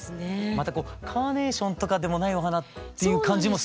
またこうカーネーションとかでもないお花っていう感じもすてきですね。